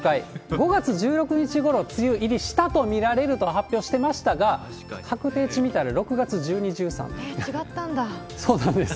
５月１６日ごろ梅雨入りしたと見られると発表してましたが、確定違ったんだ。